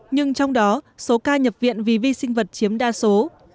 nhưng trong đó số ca nhập viện vì vi sinh vật chiếm đa số